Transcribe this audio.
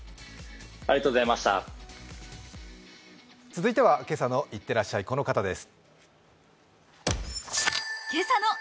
続いては「今朝のいってらっしゃい」、この方です。